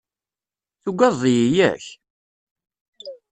Tugadeḍ-iyi, yak?